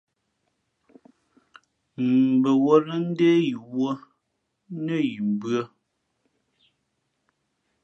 Mbαwᾱlᾱ ndé yī wᾱ nά yi mbʉ̄ᾱ.